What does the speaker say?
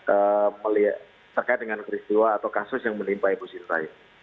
eee terkait dengan peristiwa atau kasus yang menimpa ibu sinta ini